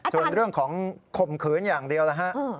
ส่วนเรื่องของข่มขืนอย่างเดียวนะฮะ